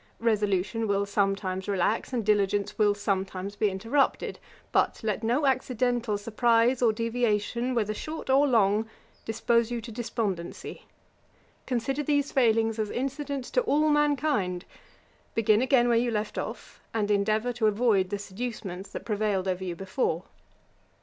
Resolution will sometimes relax, and diligence will sometimes be interrupted; but let no accidental surprise or deviation, whether short or long, dispose you to despondency. Consider these failings as incident to all mankind. Begin again where you left off, and endeavour to avoid the seducements that prevailed over you before.